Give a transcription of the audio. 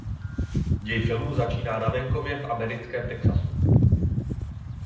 Děj filmu začíná na venkově v americkém Texasu.